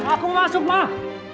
aku mau masuk mah